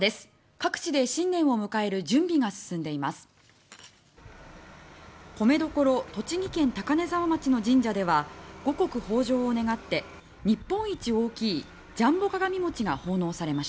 各地で新年を迎える準備が進んでいます。